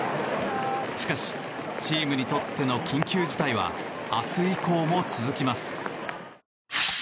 しかし、チームにとっての緊急事態は明日以降も続きます。